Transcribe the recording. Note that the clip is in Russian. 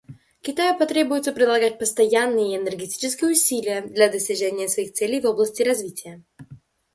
Китаю потребуется прилагать постоянные и энергичные усилия для достижения своих целей в области развития.